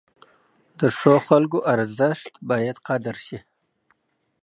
د ښو خلکو ارزښت باید قدر شي.